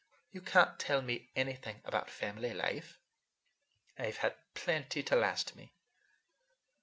You can't tell me anything about family life. I've had plenty to last me."